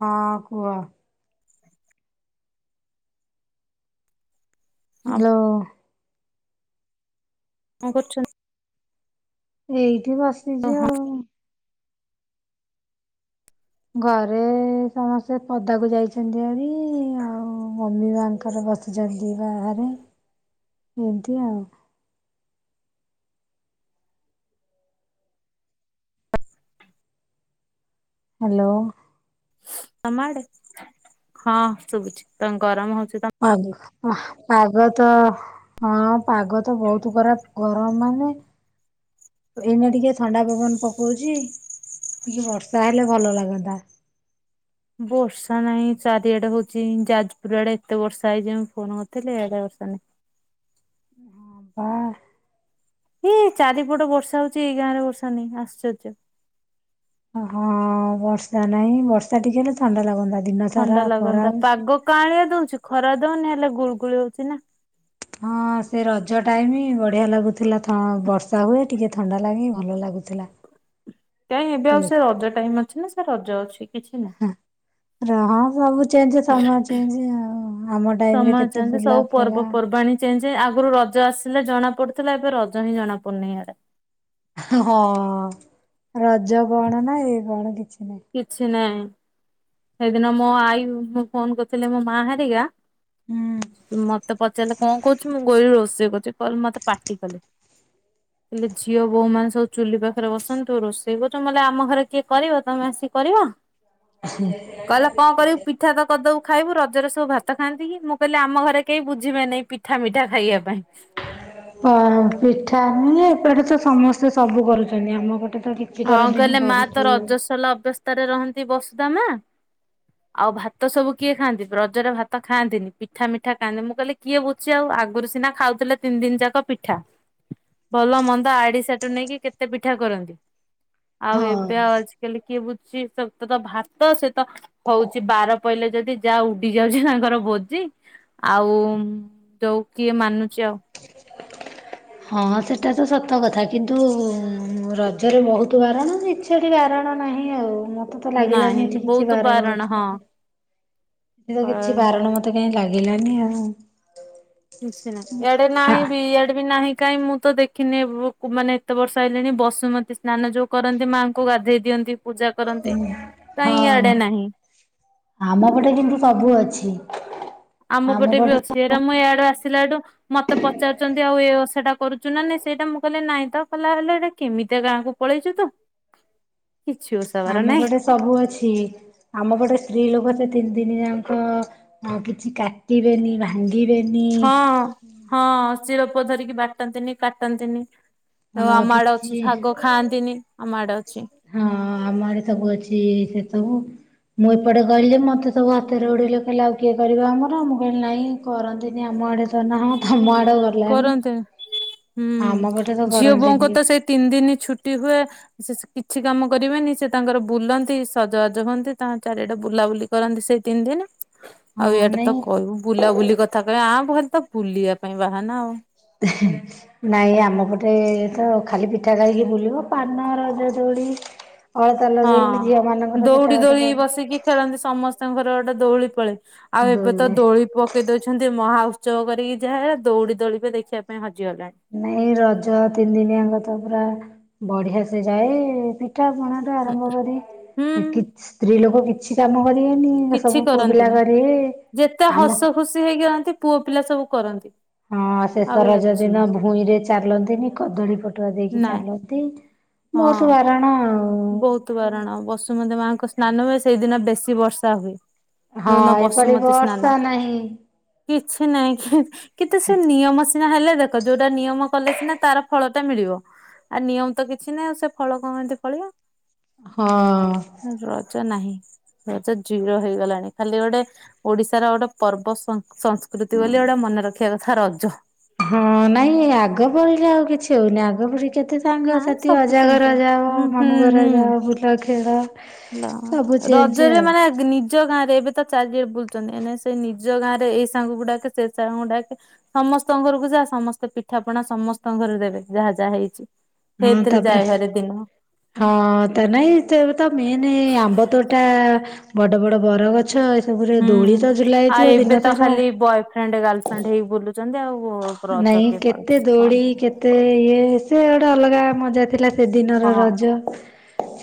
ହଁ, କୁହ। ହଁ ହାଲ କଣ କରୁଛୁ ଏଇଠି ବସିଛି ହଁ ଆଉ। ଘରେ ସମସ୍ତେ ପଦାକୁ ଯାଇଛନ୍ତି ଆଜି ଆଉ ମମି ମାଙ୍କର ବସି ଜଗି ବାହାରେ [inaudible] ଏମିତି ଆଉ। ହାଲୋ। ତମ ଆଡେ ହଁ ଶୁଭୁଛି ତମ ଗରମ ହଉଛି ତ ପାଗ ଆ ପାଗ ତ ହଁ ପାଗ ତ ବହୁତ ଖରାପ ଗରମ ମାନେ ଏଇନା ଟିକେ ଥଣ୍ଡା ପବନ ପକଉଛି ଟିକେ ବର୍ଷା ହେଲେ ଭଲ ଲାଗନ୍ତା। ବର୍ଷା ନାହିଁ ଚାରିଆଡେ ହଉଛି ଯାଜପୁର ଆଡେ ଏତେ ବର୍ଷା ହେଇଛି ମୁଁ ଫୋନ କରିଥିଲି ଏଆଡେ ବର୍ଷା ନାହିଁ ବାଃ। ଏଇ ଚାରିପଟ ବର୍ଷା ହଉଛି ଏଇ ଗାଁ ରେ ବର୍ଷା ନାହିଁ ଆଶ୍ଚର୍ଯ୍ୟ। ହଁ ବର୍ଷା ନାହିଁ ବର୍ଷା ଟିକେ ହେଲେ ଥଣ୍ଡା ଲାଗନ୍ତା ଦିନ ସାରା ଖରା ହଉଛି କା ଲିଆ ଦଉଛି ଖରା ଦଉନି ହେଲେ ଗୁଳଗୁଳି ହଉଛି ନା? ହଁ ସେ ରଜ ଟାଇମ ବଢିଆ ଲାଗୁଥିଲା ବର୍ଷା ହୁଏ ଟିକେ ଥଣ୍ଡା ଲାଗେ ଭଲ ଲାଗୁଥିଲା। କାଇଁ ଏବେ ଆଉ ସେ ରଜ ଟାଇମ ଅଛି ନା ସେ ରଜ ଅଛି। କିଛି ନାହିଁ। ର ହଁ ସବୁ ଚେଞ୍ଜ ସମୟ ଚେଞ୍ଜ ଆଉ ଆମ ଟାଇମ ରେ ସମୟ କେତେ ଚେଞ୍ଜ ବୁଲା ସବୁ ଖେଳା ପର୍ବପର୍ବାଣି ଞ୍ଚେ ଞ୍ଚେ ଆଗରୁ ରଜ ଆସିଲେ ଜଣା ପଡୁଥିଲା ଏବେ ରଜ ହିଁ ଜଣା ପଡୁନି ଏଆଡେ। ହଁ ରଜ କଣ ନାଁ ଇଏ କଣ କିଛି ନାଇଁ। କିଛି ନାହିଁ। ସେଇଦିନ ମୋ ଆଇ ମୁ ଫୋନ କରିୁଥିଲି ମୋ ମା ହାରିକା ମତେ ପଚାରିଲେ କଣ କରୁଛୁ ମୁଁ କହିଲିି ରୋଷେଇ କରୁଛି। ଇଲୁ ମତେ ପାଟି କଲେ କହିଲେ ଝିଅ ବୋଉ ମାନେ ସବୁ ଚୁଲି ପାଖରେ ବସନ୍ତୁ ରୋଷେଇ କରୁଛୁ ମୁ କହିଲି ଆମ ଘରେ କିଏ କରିବ ତମେ ଆସିକି କରିବ। [inaudible] କହିଲା କଣ କରିବ? ପିଠା ତ କରିଦବୁ ଖାଇବୁ ରଜରେ ସବୁ ଭାତ ଖାଆନ୍ତି କି ମୁଁ କହିଲି ଆମ ଘରେ କେହି ବୁଝିବେ ନାହିଁ ପିଠା ମିଠା ଖାଇବା ପାଇଁ। ହ ପିଠା ନୁହେ ଏପଟେ ତ ସମସ୍ତେ ସବୁ କରୁଛନ୍ତି ଆମ ପଟେ ତ କିଛି ହଁ କରନ୍ତିନି କହିଲେ ମା ବହୁତ ତ ରଜସଲା ଅବସ୍ଥାରେ ରହନ୍ତି ବସୁଧାମା ଆଉ ଭାତ ସବୁ କିଏ ଖାଆନ୍ତି ରଜରେ ଭାତ ଖାଆନ୍ତିନି ପିଠା ମିଠା ଖାଆନ୍ତି ମୁଁ କହିଲି କିଏ ବୁଛିବ ଆଉ ଆଗରୁ ସିନା ଖାଉଥିଲେ ତିନି ଦିନ ଯାକ ପିଠା ଭଲ ମନ୍ଦ ଆଡି ସଟୁ ନେଇକି କେତେ ପିଠା କରନ୍ତି। ଆଉ ଏବେ ହଁ ଆଉ ଆଜିକାଲି କିଏ ବୁଝୁଛି ସବୁ ତ ଭାତ ସେ ତ ହଉଛି ବାର ପଇଲେ ଯଦି ଯାହା ଉଡି ଯାଉଛି ତାଙ୍କର ଭୋଜି ଆଉ ଯୋଉ କିଏ ମାନୁଛି ଆଉ ହଁ ହଁ ସେଟା ତ ସତ ସତ କଥା କିନ୍ତୁ ରଜରେ ବହୁତ ବାରଣ ଇଛାଟି ବାରଣ ନାହିଁ ଆଉ ମତ ମତେ ତ ଲାଗିଲାନି ନାହିଁ ଏଠି କିଛି ବହୁତ ବାରଣ ଅଛି ହଁ ମାନେ ମତେ ତ କିଛି ବାରଣ ମତେ କାଇଁ ଲାଗିଲାନି ଆଉ କିଛି ନାହିଁ ଆଡେ ହା ନାହିଁ ବି ଆଡେ ବି ନାହିଁ କାଇଁ ମୁଁ ତ ଦେଖିନି ମାନେ ସାତ ବର୍ଷ ହେଲେଣି ବସୁମତୀ ସ୍ନାନ ଯୋଉ କରନ୍ତି ମାଆଙ୍କୁ ଗାଧେଇ ଦିଅନ୍ତି ପୂଜା କରନ୍ତି କାଇଁ ହଁ ଇଆଡେ ନାହିଁ। ଆମ ପଟେ କିନ୍ତୁ ସବୁ ଅଛି। ଆମ ପଟେ ବି ଅଛି ଏରା ମୁଁ ଏୟଆଡେ ଆସିଲା ଏଠୁ ମତେ ପଚାରୁଛନ୍ତି ଆଉ ଏ ଓଷାଟା କରୁଛୁ ନା ନାଇଁ ସେଇଟା ମୁଁ କହିଲେ ନାଇଁ ତ କଲା ହେଲେ କେମିତିଆ ଗାଁକୁ ପଳେଇଛୁ ତୁ କିଛି ଓଷା ବାର ନାଇଁ। ସବୁଅଛି। ଆମପଟେ ସ୍ତ୍ରୀ ଲୋକ ସେ ତିନି ତିନି ଜାଙ୍କ ଅଁ କିଛି କାଟିବେନି ଭାଙ୍ଗି ଗିବେନି ହଁ ହଁ ସିଲୁପୁଆ ଧରିକି ବାଟନ୍ତିନି କାଟନ୍ତିନି। ଓ ହଁ ଆମ ଆଡେ ଅଛି କିଛି ଶାଗ ଖାଆନ୍ତିନି, ଆମ ଆଡେ ଅଛି। ହଁ ଆମ ଆଡେ ସବୁ ଅଛି ସେସବୁ ମୁଁ ଏପଟେ କହିଲିଯେ ମତେ ସବୁ ହସରେ ଉଡେଇଲେ ହେଲେ ଆଉ କିଏ କରିବ ଆମର ମୁଁ କଇଲି ନାଇଁ କରନ୍ତିନି ଆମ ଆଡେ ତ ନାହଁ ତମ ଆଡ କରନ୍ତେଣି, ପଟେ ତ ହୁଁ ଝିଅ କରନ୍ତିନି ବୋଉଙ୍କତ କିଛି। ସେଇ ତିନି ଦିନି ଛୁଟି ହୁଏ। ସେସେ କିଛି କାମ କରିବେନି ସେ ତାଙ୍କର ବୁଲନ୍ତି ସଜବାଜ ହୁଅନ୍ତି ତାଙ୍କ ଚାରିଆଡେ ବୁଲାବୁଲି କରନ୍ତି ସେଇ ତିନି ଦିନ। ଆଉ ହଁ ଇଆଡେ ତ ନାଇଁ କହିବୁ ବୁଲାବୁଲି କଥା କହିବେ [unintelligible] ଖାଲି ତ ବୁଲିବା ପାଇଁ ବାହାନା ଆଉ। ଏହେହେ। ନାଇଁ ଆମ ପଟେ ତ ଖାଲି ପିଠା ଖାଇକି ବୁଲିବ ପାନ, ରଜ ଦୋଳି ଅଳତା ହଁ ଲଗେଇକି ଝିଅ ମାନଙ୍କର ଦଉଡି ସେଟା ଗୋଟେ ଦୋଳି ପର୍ବ। ବସିକି ଖେଳନ୍ତି ସମସ୍ତଙ୍କର ଗୋଟେ ଦୋଳି ପଳେ ଆଉ ଏବେ ତ ଦୋଳିରେ ଦୋଳି ପ ପକେଇ ଦଉଛନ୍ତି ମହାଉତ୍ସବ କରିକି ଯାହା ଦୌଡ଼ି ଦୋଳି ବି ଦେଖିବା ପାଇଁ ହଜିଗଲାଣି। ନାଇଁ ରଜ ତିନି ଦିନି ଆଙ୍କ ତ ପୁରା ବଢିଆ ସେ ଯାଏ ପିଠା ପଣା ଠୁ ପୁରା ହୁଁ। ଆରମ୍ଭ କରି ହୁଁ କିଛି ସ୍ତ୍ରୀ ଲୋକ କି ଛି କାମ କରିବେନି କିଛି ସବୁ ପୁଅ ପିଲା କରନ୍ତିନି କରିବେ, ଯେତେ ଆମ ହସ ଖୁସି ହେଇକି ରହନ୍ତି ପୁଅ ପିଲା ସବୁ କରନ୍ତି। ହଁ ଆଉ ଶେଷ ରଜ ଅଛି ଦିନ ଭୂଇଁ ରେ ଚାଲନ୍ତିନି କଦଳୀ ପଟୁଆ ଦେଇକି ନାଇଁ ଚାଲ ନ୍ତି [unintelligible] ବହୁତୁ ବାରଣ ବସୁମତୀ ମାଙ୍କ ସ୍ନାନ ହୁଏ ସେଇଦିନ ବେଶୀ ବର୍ଷା ହୁଏ। ହଁ ଯୋଉଦିନ ଏପାଳି ବସୁମତି ସ୍ନାନ। ବର୍ଷା ନାହିଁ କିଛି ନାଇଁ କି କେତେ ସେ ନିୟମ। ସିନା ହେଲେ ଦେଖ ଯୋଉଟା ନିୟମ କଲେ ସିନା ତାର ଫଳଟା ମିଳିବ। ଆ ନିୟମତ କିଛି ନାଇଁ ଆଉ ସେ ଫଳ କଣ ଏମ୍ତି ଫଳିବ? ହଁ। ରଜ ନାହିଁ। ରଜ ଜିରୋ ହେଇଗଲାଣି, ଖାଲି ଗୋଟେ ଓଡିଶାର ଗୋଟେ ପର୍ବ ସ ସଂସ୍କୃତି ବୋଲି ଗୋଟେ ମନେ ରଖିବା କଥା ରଜ। ହଁ ନାଇଁ ଆଗ ପରିକା ଆଉ କିଛି ହଉନି, ଆଗ ପରି କେତେ ସାଙ୍ଗ ନା ସାଥି ସବୁ ଚେଞ୍ଜ ଅଜାଘର ହବ ଯାଅ ହୁଁ ହୁଁ ମାମୁଁଘର ହୁଁ। ଯାଅ ବୁଲ ଖେଳ। ନା, ସବୁ ଚେଞ୍ଜ ରଜରେ ଆଉ ମାନେ ନି ଜ ଗାଁରେ ଏବେତ ଚାରିଏ ବୁଲୁଚନ୍ତି ଏଇନେ ସେ ନିଜ ଗାଁରେ ଏଇ ସାଙ୍ଗଗୁ ଡାକେ ସେ ସାଙ୍ଗକୁ ଡାକେ ସମସ୍ତଙ୍କ ଘରକୁ ଯା ସମସ୍ତେ ପିଠା ପଣା ସମସ୍ତଙ୍କ ଘରେ ଦେବେ ଯାହା-ଯାହା ହେଇଛି। ହୁଁ ସେଇଥିରେ ଯାଏ ତାପରେ ଭାରି ଦିନ। ହଁ ତା ନାଇଁ [unintelligible] ମେନେ ଆମ୍ବ ତୋଟା ବଡ-ବଡ ବରଗଛ ଏସବୁରେ ହୁଁ ଦୋଳିତ ଝୁଲା ହେଇଥିବ ଦିନସାରା। ଫ୍ରେଣ୍ଡ ଗାର୍ଲଫ୍ରେଣ୍ଡ ହେଇି ବୁଲୁଚନ୍ତି ଆଉ। ରଜ ନାଇଁ କିଏ କେତେ ପାଳୁଛି ହଁ ଦୋଳି କେତେ ଇଏ ସେ ଗୋଟେ ଅଲଗା ମଜା ଥିଲା ସେଦିନର ରଜ,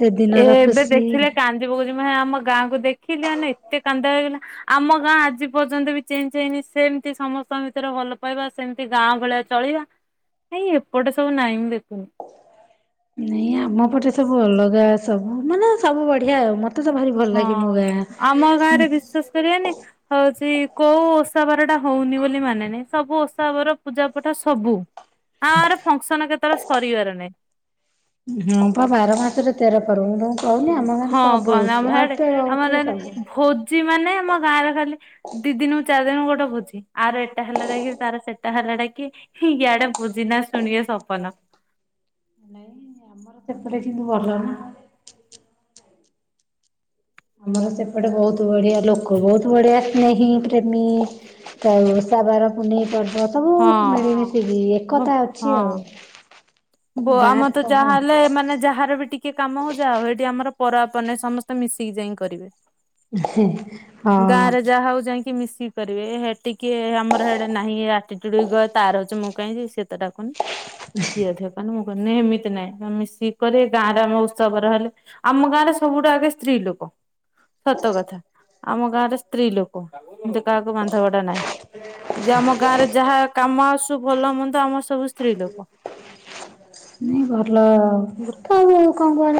ସେଦିନର ଏବେ ଖୁସି। ଦେଖିଲେ [unintelligible] ଆମ ଗାଁକୁ ଦେଖିଲେ ମାନେ ଏତେ କାନ୍ଦ ଲାଗିଲା ଆମ ଗାଁ ଆଜି ପର୍ଯ୍ୟନ୍ତ ବି ଚେଞ୍ଜେ ହେଇନି ସେମ୍ତି ସମସ୍ତଙ୍କ ଭିତରେ ଭଲ ପାଇବା ସେମ୍ତି ଗାଁ ଭଳିଆ ଚଳିବା ନାଇଁ ଏପଟେ ସବୁ ନାହିଁ ମୁଁ ଦେଖୁନି। ନାଇଁ ଆମ ପଟେ ସବୁ ଅଲଗା ସବୁ ମାନେ ସବୁ ବଢିଆ ଆଉ ମ। ହଁ, ଆମ ଗାଁରେ ବିଶ୍ୱାସ କରିବେନି ହଉଚି କୋଉ ଓସା ବାର ଟା ହଉନି ବୋଲି ମାନେ ନାହିଁ ସବୁ ଓସ୍ ଷା ବର ପୂଜା ପଠ ସବୁ [unintelligible] ଫଙ୍କସନ୍ କେତବେଳେ ସରିବାର ନାହିଁ। ହଁ ବା ବାର ମାସରେ ତେର ପରବ। ହଁ କନ୍ତି ଆମ ସେଆଡେ ବହୁତେ ଆମର ସବୁ। [unintelligible] ଭୋ ଜି ମାନେ ଆମ ଗାଁରେ ଖାଲି ଦି ଦିନୁକୁ ଚାରି ଦିନୁକୁ ଗୋଟେ ଭୋଜି ଆର ଏଟା ହେଲା ଯାଇକି ତାର ସେ ତାହେଲାଡା କି ଇଆଡେ ଭୋଜି ନାଁ ଶୁଣିବା ସପନ। ଆମର ସେପଟେ କିନ୍ତୁ ଭଲ ନା। ଆମର ସେପଟେ ବହୁତୁ ବଢିଆ ଲୋକ ବହୁତୁ ବଢିଆ ସ୍ନେହି ପ୍ରେମୀ। [unintelligible] ଓଷାବାର ପୁନେଇଁ ପର୍ବ ସବୁ ହଁ। [unintelligible] ଏକତା ହଁ। ଅଛି ଆଉ। ବୋ ଆମର ଗାଁରେ ତ ସବୁ ହଁ ଯାହା ହଲେ ମାନେ ଯାହାର ବି ଟିକେ କାମ ହଉ ଯା ହୋଉ ଏଠି ଆମର ପର ଆପ ନାହିଁ ସମସ୍ତେ ମିଶିକି ଯାଇଁକି କରିବେ। ଗାଁରେ ଯାହା ହଉ ଯାଇଁ କି ମିଶିକି କରିବେ ହେ ଟିକେ ଆମର ହେଡ ନାହିଁ ଏ ଆଟିଚୁଡ ଇଗୋ ତାର ଅଛି ମୁଁ କାହିଁକି ଯିବି ସେ ତ ଡାକୁନି। ସିଏ ଅଧିକ କନେ ମୁଁ କହନି ଏମିତି ନାଇଁ ଆମେ ସିଏ କରେ ଗାଁରେ ଆମ ଉତ୍ସବ ରହିଲେ ଆମ ଗାଁ ରେ ସବୁଠୁ ଆଗେ ସ୍ତ୍ରୀ ଲୋକ। ସତ କଥା ଆମ ଗାଁରେ ସ୍ତ୍ରୀ ଲୋକ ଯେ କାହାକୁ ବାନ୍ଧବାଡ ନାହିଁ। ଯେ ଆମ ଗାଁ ରେ ଯାହା କାମ ଆସୁ ଭଲ ମନ୍ଦ ଆମର ସବୁ ସ୍ତ୍ରୀ ଲୋକ। ନାଇଁ ଭଲ ଆଉ ତ ଆଉ କଣ କୁହିଁ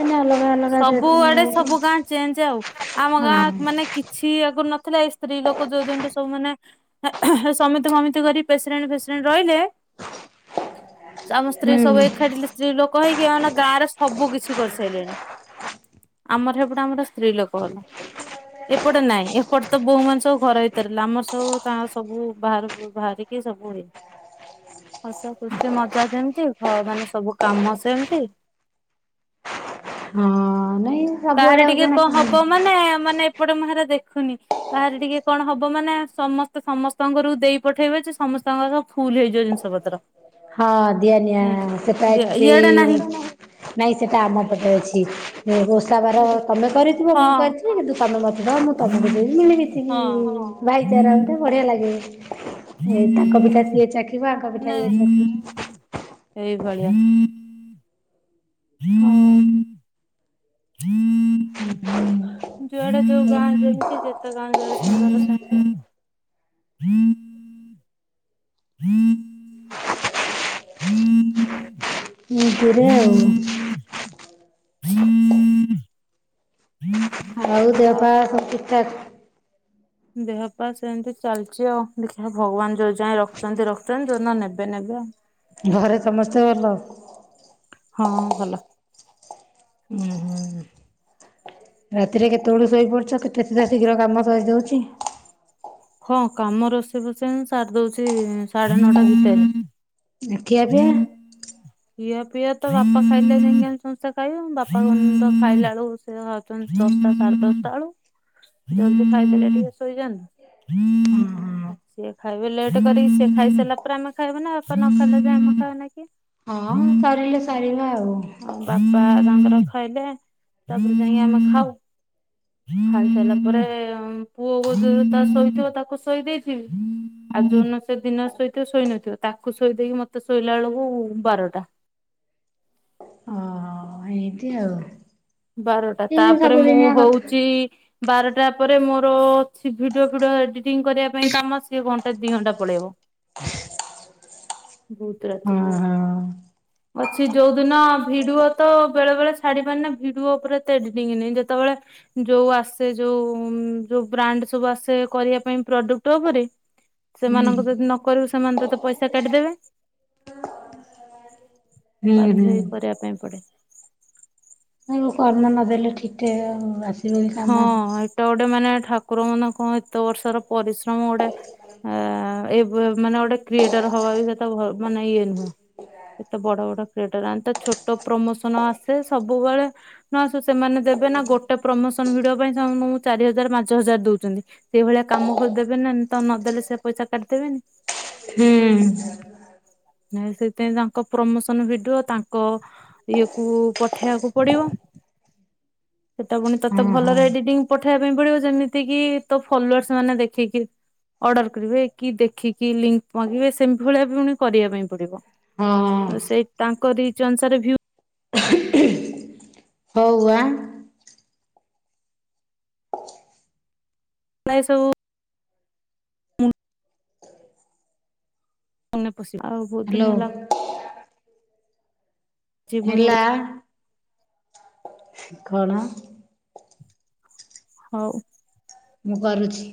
ସବୁଆଡେ ସବୁ ଗାଁ ଚେଞ୍ଜ ଆଉ ଆମ ଗାଁ ହଁ। ମାନେ କିଛି ଆଗରୁ ନଥିଲା ଏଇ ସ୍ତ୍ରୀ ଲୋକ ଯୋଉ ଦିନୁଟ ସବୁମାନେ ସମେତ ସମମତି କରି ପ୍ରେସିଡେଣ୍ଟ ଫେସିଡେଣ୍ଟ ରହିଲେ ଆମ ସ୍ତ୍ରୀ ସବୁ ହୁଁ ଏକାଠିି ସ୍ତ୍ରୀ ଲୋକ ହେଇକି ଆ ନା ଗାଁରେ ସବୁ କିଛି କରିସାରିଲେଣି। ଆମର ସେପଟେ ଆମର ସ୍ତ୍ରୀ ଲୋକ ହେଲା। ଏପଟେ ନାହିଁ ଏପଟେ ତ ବୋହୁମାନେ ସବୁ ଘର ଭିତରେ। ରହିଲେ ଆମର ସବୁ ତାଙ୍କର ସବୁ ବାହାରକୁ ବାହାରିକି ସବୁ ହୁଏ। ହସ ଖୁସି ମଜା ଯେମତି ଅ ମାନେ ସବୁ କାମ ସେମତି। ହଁ ନାଇ କାହାର ଟିକେ କଣ ହବ ମାନେ ମାନେ ଏପଟେ ମୁଁ ହେରା ଦେଖୁନି। କାହାର ଟିକେ କଣ ହବ ମାନେ ସମସ୍ତେ ସମସ୍ତଙ୍କ ଘରକୁ ଦେଇ ପଠେଇବେ ଯେ ସମସ୍ତଙ୍କର ଫୁଲ ହେଇଯିବ ଜିନିଷ ପତ୍ର। ହଁ ଦିଆ ନିଆ ଏମିତି ସେଟା କି ଇଆଡେ ନାହିଁ ନାଇଁ ସେଟା ଆମ ପଟେ ଅଛି। [unintelligible] ତା ବାର ଇଆଡେ ତମେ କରିଥିବ ହଁ। ମୁଁ କରିଛି କିନ୍ତୁ ତୁମେ ମଧ୍ୟ ତମକୁ [unintelligible] କିଛି କି ହଁ। ଭାଇଚାରା ଗୋଟେ ବଢିଆ ଲାଗେ। ଏ ତାଙ୍କ ପିଠା ସିଏ ଚାଖିବ ଆଙ୍କ ପିଠା ଇଏ ଚାଖିବ। ସେଇ ଭଳିଆ। ହଁ। ଯୁଆଡେ ଯା ହୁଁ। ଯେମିତି ଯେତେ ଗାଁ ଯୁଆଡେ [inaudible] [inaudible] [inaudible] [inaudible] ହୁ ଗୁରେ ଆଉ। [inaudible] ଆଉ ଦେହ ପା ସବୁ ଠିକ ଠାକ? ଦେହ ପା ସେମତି ଚାଲିଚି ଆଉ। ଦେଖିଆ ଭଗବାନ ଯୋଉ ଯାଏ ରଖୁଛନ୍ତି ରଖୁଛନ୍ତି ଯୋଉ ଦିନ ନେବେ ନେବେ ନେବେ ଆଉ। ଘରେ ସମସ୍ତେ ଭଲ? ହଁ ଭଲ। ଉ ହୁଁ ରାତିରେ କେତେବେଳୁ ଶୋଇପଡୁଛ କେତ କେତେଟା ଶୀଘ୍ର କାମ ସରିଯାଉଛି? ହଁ କାମ ରୋଷେଇ ଫସେଇ ମୁଁ ସାରିଦୋଉଛି ସାଢେ ନଅଟା ଭିତରେ। ଆ ଖିଆ ପିଆ? ଖିଅ ପିଆ ତ ବାପା ଖାଇଲେ ଜାଇଙ୍କି ଆମେ ସମସ୍ତେ ଖାଇବୁ। ବାପା ଖାଇଲା ବେଳକୁ ସେ ଖାଉଛନ୍ତି ଦଶଟା ସାଢ଼େ ଦଶଟା ବେଳୁ। ଜଲ୍ଦୀ ଖାଇଦେଲେ ଟିକେ ଶୋଇଯାଆନ୍ତୁ। ସିଏ ଖାଇବେ ଲେଟ୍ କରିକି ସିଏ ଖାଇସାରିଲା ପରେ ଆମେ ଖାଇବୁ ନା ବାପା ନ ଖାଇଲେ ଯାଏ ଆମେ ଖାଇ ନା କି। ହଁ ସରିଲେ ସାରିବ ଆଉ। ଆଉ ବାପା ତାଙ୍କର ଖାଇଲେ ତାପରେ ଯାଇକି ଆମେ ଖାଉ। ଖାଇସାରିଲାପରେ ହ ପୁଅ ଯୋଉ ତା ଶୋଇଥିବ ତାକୁ ଶୋଇ ଦେଇଥିବି ଆ ଯୋଉଦିନ ସେ ଦିନ ଶୋଇଥିବ ଶୋଇ ନଥିବ ତାକୁ ଶୋଇ ଦେଇେଇକି ମତେ ଶୋଇଲା ବେଳକୁ ବାରଟା। ଆଁ ହଁ ଏଇନ୍ତି ଆଉ ବାରଟା ଏମିତି ତାପରେ ମୁଁ ସବୁଦିନିଆ କଥା। ହଉଚି ବାରଟା ପରେ ମୋର ଅଛି ଭିଡିଓ ଫିଡିଓ ଏଡିଟିଂ କରିବା ପାଇଁ କାମସିକେ ଘଣ୍ଟେ ଦି ଘଣ୍ଟା ପଳେଇବ। ବୁ ରାତି ହଁ ହେଇଯାଏ ହଁ। ଅଛି ଯୋଉ ଦିନ ଭିଡୁଓ ତ ବେଳେ ବେଳେ ଛାଡ଼ି ପାରେନା ୟୁ ଟ୍ୟୁବ୍ ଉପରେ ଏତେ ଏଡିଟିଂ ନାହି ଯେତେବେଳେ ଯୋଉ ଆସେ ଯୋଉ ଯୋଉ ବ୍ରାଣ୍ଡ ସବୁ ଆସେ କରିବା ପାଇଁ ପ୍ରଡକ୍ଟ ଉପରେ ହୁଁ ସେମାନଙ୍କୁ ଯଦି ନ କରିବୁ ସେମାନେ ତତେ ପଇସା କାଟିଦେବେ। ହୁଁ ବାଧ୍ୟ ହୁଁ। ହେଇ କରିବା ପାଇଁ ପଡ଼େ ନାଇଁ କର୍ମ ନଦେଲେ ଠିକ୍ ଟେ ଆସ ହଁ ହେଟା ଗୋଟେ ମାନେ ଠାକୁର ମାନେ କଣ ଏତେ ବର୍ଷର ପରିଶ୍ରମ ଗୋଟେ ଆ ଏବେ ମାନେ ଗୋଟେ କ୍ରିଏଟର ହବା ବି ସେତେ ମାନେ ଇଏ ନୁହଁ। ଏତେ ବଡ଼ବଡ଼ [unintelligible] ଟ ତ ଛୋଟ ପ୍ରମୋସନ ଆସେ ସବୁବେଳେ ନ ସେମାନେ ଦେବେ ନା ଗୋଟେ ପ୍ରମୋସନ ଭିଡିଓ ପାଇଁ ଚାରି ହଜାର ପାଞ୍ଚ ହଜାର ଦଉଛନ୍ତି। ସେଇ ଭଳିଆ କାମ କୁ ଦେବେନା ତମେ ନଦେଲେ ସେ ପଇସା କାଟିିଦେବେନି। ହୁଁ। ନାଇ ସେଥିପାଇଁ ତାଙ୍କ ପ୍ରମୋସନ ଭିଡିଓ ତାଙ୍କ ଇଏକୁ ପଠେଇବାକୁ ପଡ଼ିବ ସେଟା ପୁଣି ତ ତ ହଁ ହଁ ଭଲରେ ଏଡିଟିଂ ପଠେଇବା ପାଇଁ ପଡ଼ିବ ଯେମିତି କି ତ ଫଲୋର୍ସ ମାନେ ଦେଖିକି ଅର୍ଡର କରିବେ କି ଦେଖିକି ଲିଙ୍କ ମାଗିବେ ସେମ ଭଳିଆ ପୁଣି କରିବା ପାଇଁ ପଡ଼ିବ। ହଁ ସେଇ ତାଙ୍କ ରିଚ ଅନୁସାରେ ଭ୍ୟୁ ହଉ ଆଁ ନାଇଁ ସବୁ ମନେ ପଶିବା ଆଉ ବହୁତ ହ୍ୟାଲୋ ଦିନ ହେଲା ପୁଣି ଗୋଟେ ହେଲା କଣ? ହଉ। ମୁଁ କରୁଛି।